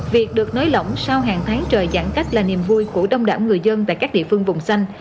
việc được nới lỏng sau hàng tháng trời giãn cách là niềm vui của đông đảo người dân tại các địa phương vùng xanh